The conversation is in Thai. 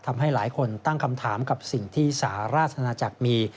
ทำให้หลายคนตั้งคำถามกับสิ่งที่สหราชนาจักรมี